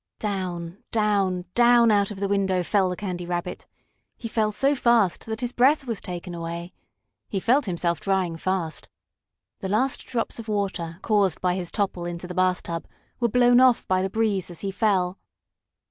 Down, down, down, out of the window fell the Candy Rabbit. He fell so fast that his breath was taken away. He felt himself drying fast. The last drops of water, caused by his topple into the bathtub, were blown off by the breeze as he fell.